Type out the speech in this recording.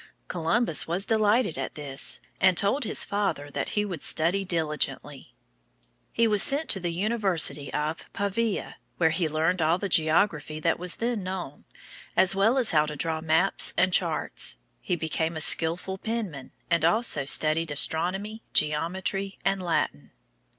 Columbus was delighted at this, and told his father that he would study diligently. He was sent to the University of Pavia, where he learned all the geography that was then known, as well as how to draw maps and charts. He became a skillful penman, and also studied astronomy, geometry, and Latin.